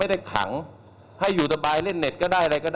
เพราะถือว่าคุณไม่มีความรับผิดชอบต่อสังคม